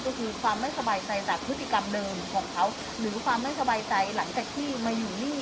ก็คือความไม่สบายใจจากพฤติกรรมเดิมของเขาหรือความไม่สบายใจหลังจากที่มาอยู่นี่